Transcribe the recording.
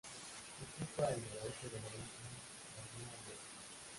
Ocupa el noreste de la isla de Vanua Levu.